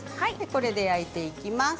これで焼いていきます。